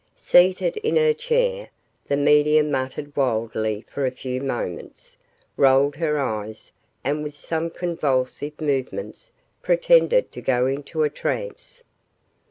Seated in her chair, the medium muttered wildly for a few moments, rolled her eyes and with some convulsive movements pretended to go into a trance.